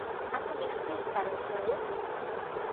এত নিস্তেজ কেন, থিয়াগো?